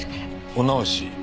お直し？